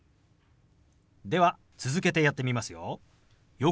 では続けてやってみますよ。